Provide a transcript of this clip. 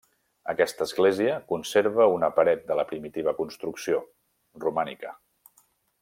Aquesta església conserva una paret de la primitiva construcció, romànica.